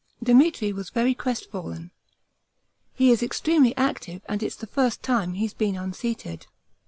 Demetri was very crestfallen. He is extremely active and it's the first time he's been unseated.